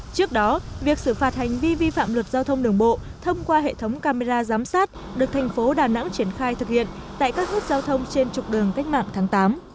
trước đó việc xử phạt hành vi vi phạm luật giao thông đường bộ thông qua hệ thống camera giám sát được thành phố đà nẵng triển khai thực hiện tại các nút giao thông trên trục đường cách mạng tháng tám